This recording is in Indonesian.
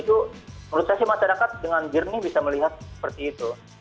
itu menurut saya sih masyarakat dengan jernih bisa melihat seperti itu